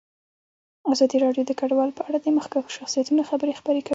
ازادي راډیو د کډوال په اړه د مخکښو شخصیتونو خبرې خپرې کړي.